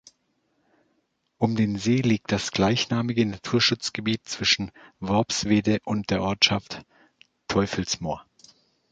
Um den See liegt das gleichnamige Naturschutzgebiet zwischen Worpswede und der Ortschaft Teufelsmoor.